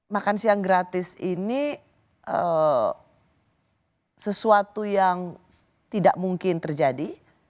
makan siang gratis ini sesuatu yang tidak mungkin terjadi